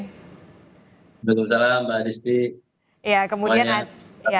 mohon maaf mbak adisti